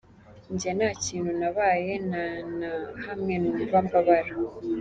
Njye nta kintu nabaye, nta na hamwe numva mbabara.